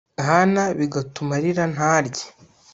Hana bigatuma arira ntarye